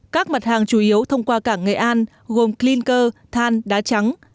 các mặt hàng chủ yếu thông qua cảng nghệ an gồm clinker than đá trắng